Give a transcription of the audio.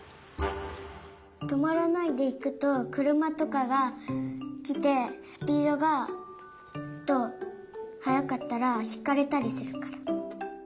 とまらないでいくとくるまとかがきてスピードがえっとはやかったらひかれたりするから。